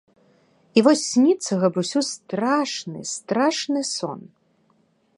I вось снiцца Габрусю страшны, страшны сон...